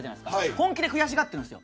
本気で悔しがってるんですよ。